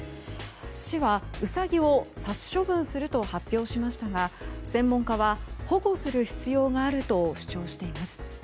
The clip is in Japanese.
市はウサギを殺処分すると発表しましたが専門家は、保護する必要があると主張しています。